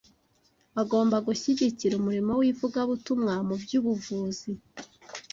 agomba gushyigikira umurimo w’ivugabutumwa mu by’ubuvuzi